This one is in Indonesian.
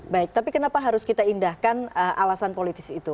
baik tapi kenapa harus kita indahkan alasan politis itu